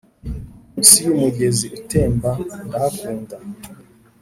munsi yumugezi utemba ndahakunda,